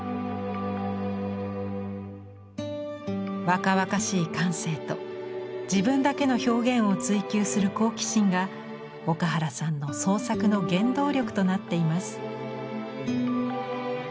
若々しい感性と自分だけの表現を追求する好奇心が岡原さんの創作の原動力となっています。